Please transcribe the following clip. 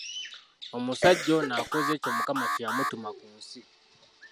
Omusajja ono akoze ekyo Mukama kye yamutuma ku nsi.